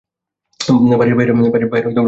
বাড়ির বাহিরে কখনো বাহির হইয়ো না।